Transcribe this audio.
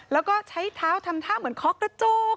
แล้วก็ใช้เท้าทำท่าเหมือนเคาะกระจก